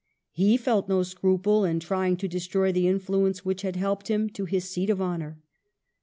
He felt no scruple in trying to destroy the influence which had helped him to his seat of honor.